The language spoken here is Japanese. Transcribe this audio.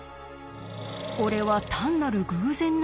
これは単なる偶然なのか？